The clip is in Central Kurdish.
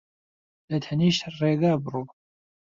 لە تەنیشت ڕێگا بڕۆ